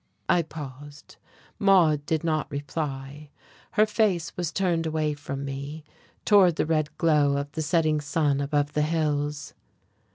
I paused. Maude did not reply. Her face was turned away from me, towards the red glow of the setting sun above the hills.